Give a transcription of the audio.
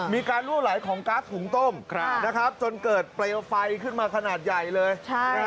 ลั่วไหลของก๊าซหุงต้มจนเกิดเปลวไฟขึ้นมาขนาดใหญ่เลย